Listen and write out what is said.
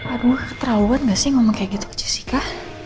aduh ketahuan gak sih ngomong kayak gitu ke jessica